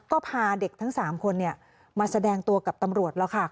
ก็พาเด็กทั้ง๓คนมาแสดงตัวกับตำรวจแล้วค่ะ